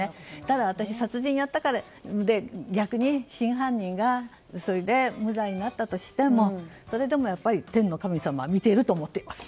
だから私、殺人やったからって真犯人がそれで無罪になったとしてもそれでも天の神様は見ていると思っています。